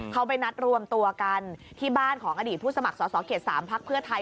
เขาไปนัดรวมตัวกันที่บ้านของอดีตผู้สมัครสอสอเขต๓พักเพื่อไทย